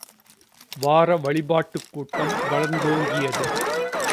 வார வழிபாட்டுக்கூட்டம் வளர்ந்தோங்கியது.